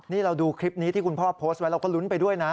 นี่เราดูคลิปนี้ที่คุณพ่อโพสต์ไว้เราก็ลุ้นไปด้วยนะ